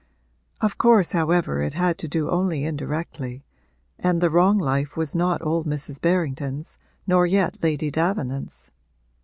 Of course however it had to do only indirectly, and the wrong life was not old Mrs. Berrington's nor yet Lady Davenant's.